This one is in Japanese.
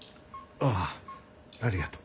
ああありがとう。